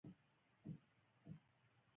غیر مساوي تړونونه په کمزوري اړخ تحمیل شوي دي